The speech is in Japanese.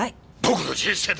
僕の人生だ。